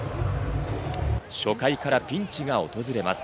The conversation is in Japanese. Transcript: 初回からピンチが訪れます。